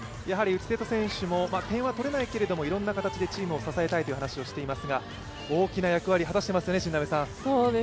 内瀬戸選手も、点は取れないけれども、いろんな形でチームを支えたいという話をしていますが大きな役割果たしていますね。